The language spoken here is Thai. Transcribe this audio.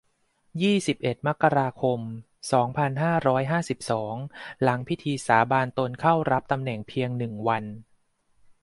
ยี่สิบเอ็ด มกราคม สองพันห้าร้อยห้าสิบสอง หลังพิธีสาบานตนเข้ารับตำแหน่งเพียง หนึ่ง วัน